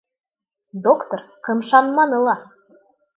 Доктор ҡымшанманы ла.